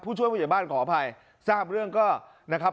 ช่วยผู้ใหญ่บ้านขออภัยทราบเรื่องก็นะครับ